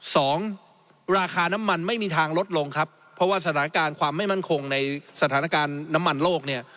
สองราคาน้ำมันไม่มีทางลดลงครับเพราะว่าสถานการณ์ความไม่มั่นคงในสถานการณ์น้ำมันโลกเนี่ย